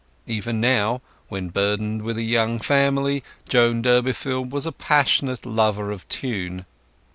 Even now, when burdened with a young family, Joan Durbeyfield was a passionate lover of tune.